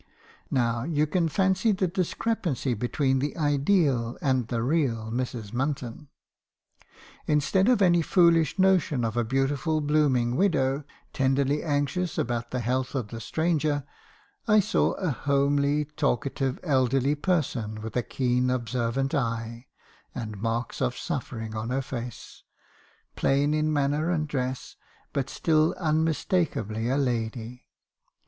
Now you can fancy the discrepancy between the ideal and the real Mrs. Munton. Instead of any foolish notion of a beautiful blooming widow, tenderly anxious about the health of the stranger, I saw a homely, talkative, elderly person, with a keen observant eye, and marks of suffering on her face; plain in manner and dress, but still unmistakeably a lady.